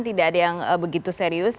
tidak ada yang begitu serius